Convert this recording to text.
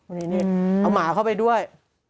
เหมือนงี้เอาหมาเข้าไปด้วย